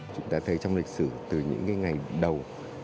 chúng ta thấy trong lịch sử từ những ngày đầu